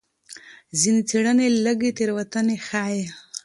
ځینې څېړنې لږې تېروتنې ښيي.